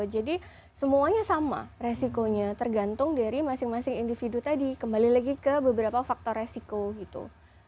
jadi semuanya sama resikonya tergantung dari masing masing individu tadi kembali lagi ke beberapa faktor resiko gitu